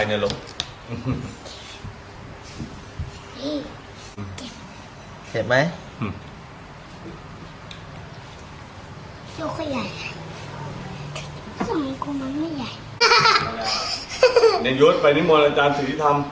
โชคใหญ่สมมุมมันไม่ใหญ่นี่ยกไปนิดมึงแล้วอาจารย์ถือทำ